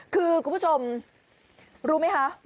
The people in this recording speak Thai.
คือคุณผู้ชมรู้ไหมคะ